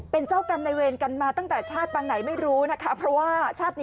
เป็นผู้หญิงตกใจอยู่แล้วพี่สองคน